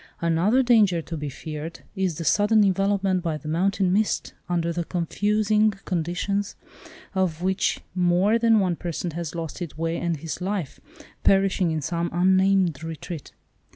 Another danger to be feared, is the sudden envelopment by the mountain mist, under the confusing conditions of which more than one person has lost his way and his life, perishing in some unnamed retreat.